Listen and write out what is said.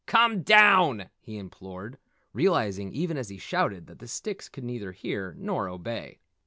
Come down!" he implored, realizing even as he shouted that the sticks could neither hear nor obey.